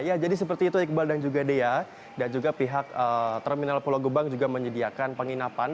ya jadi seperti itu iqbal dan juga dea dan juga pihak terminal pulau gebang juga menyediakan penginapan